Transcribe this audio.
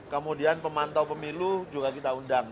kemudian pemantau pemilu juga kita undang